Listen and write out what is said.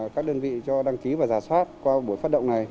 các đơn vị cho đăng ký và giả soát qua buổi phát động này